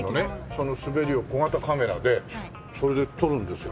その滑りを小型カメラでそれで撮るんですよね？